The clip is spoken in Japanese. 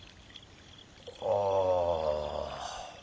ああ。